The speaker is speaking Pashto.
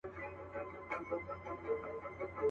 ستا لپاره ده دا مینه، زه یوازي تا لرمه.